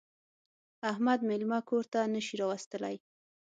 احمد مېلمه کور ته نه شي راوستلی.